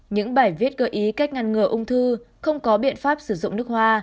những bài viết gợi ý cách ngăn ngừa ung thư không có biện pháp sử dụng nước hoa